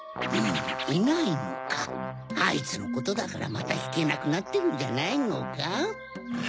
いないのかあいつのことだからまたひけなくなってるんじゃないのか？